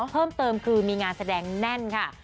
เพิ่มเติมคือมีงานแสดงแน่นค่ะ